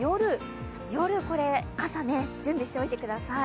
夜は傘を準備しておいてください。